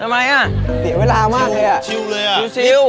ทำไมอ่ะเสียเวลามากเลยอ่ะชิวเลยอ่ะชิว